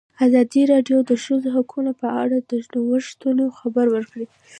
ازادي راډیو د د ښځو حقونه په اړه د نوښتونو خبر ورکړی.